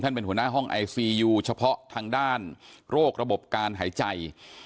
เป็นหัวหน้าห้องไอซียูเฉพาะทางด้านโรคระบบการหายใจ